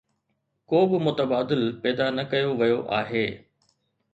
ڪوبه متبادل پيدا نه ڪيو ويو آهي.